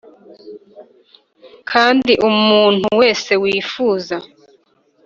Kandi umuntu wese wifuza